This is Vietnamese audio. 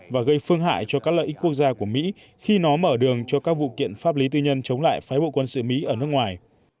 và gây phương hại cho các lợi ích quốc gia của mỹ khi nó mở đường cho các vụ kiện pháp lý tư nhân chống lại phái bộ quân sự mỹ ở nước ngoài